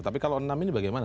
tapi kalau enam ini bagaimana